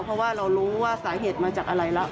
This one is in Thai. เพราะว่าเรารู้ว่าสาเหตุมาจากอะไรแล้ว